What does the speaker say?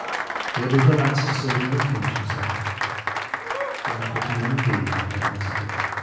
"Here be the lads to serve you in a pinch," he said. "They are pretty men, indeed," replied the messenger.